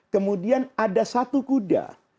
kemudian ada satu kuda